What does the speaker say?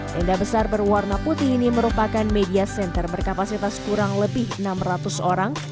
tenda besar berwarna putih ini merupakan media center berkapasitas kurang lebih enam ratus orang